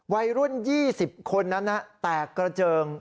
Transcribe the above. วัยรุ่น๒๐คนนั้นแตกกระเจิง